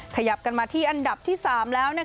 ขยับกันมาที่อันดับที่สามแล้วนะครับ